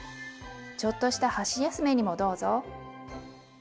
ちょっとした箸休めにもどうぞ。